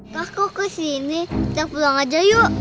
kak kok kesini kita pulang aja yuk